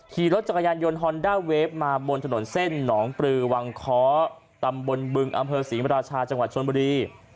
ขี่รถจักรยานยนต์ฮอนด้าเวฟมาบนถนนเส้นหนองปลือวังค้อตำบลบึงอำเภอศรีมราชาจังหวัดชนบุรี